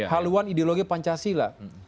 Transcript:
haluan ideologi pancasila